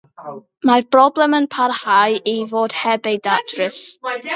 Mae'r broblem yn parhau i fod heb ei datrys.